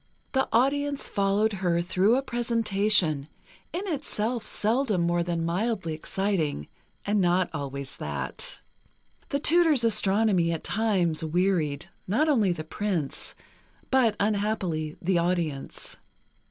The audience followed her through a presentation, in itself seldom more than mildly exciting, and not always that. The tutor's astronomy at times wearied, not only the Prince, but, unhappily, the audience.